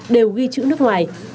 đều ghi chữ nước ngoài